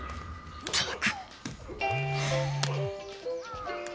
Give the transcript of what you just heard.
ったく。